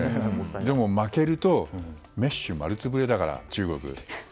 でも負けるとメッシ丸つぶれだから中国。